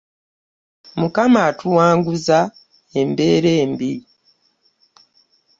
Mukama atuwanguzza embeera embi.